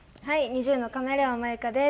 ＮｉｚｉＵのカメレオンＭＡＹＵＫＡです。